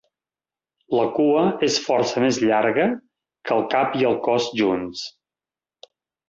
La cua és força més llarga que el cap i el cos junts.